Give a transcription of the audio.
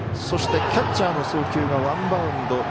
そして、キャッチャーの送球がワンバウンド。